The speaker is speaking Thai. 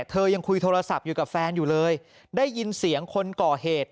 ยังคุยโทรศัพท์อยู่กับแฟนอยู่เลยได้ยินเสียงคนก่อเหตุ